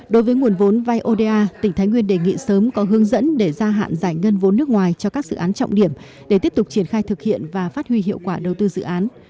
đối với nguồn vốn vai oda tỉnh thái nguyên đề nghị sớm có hướng dẫn để gia hạn giải ngân vốn nước ngoài cho các dự án trọng điểm để tiếp tục triển khai thực hiện và phát huy hiệu quả đầu tư dự án